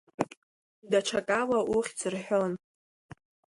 Даҽакала ухьӡ рҳәон.